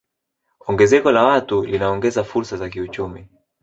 Ongezeko la watu linaongeza fursa za kiuchumi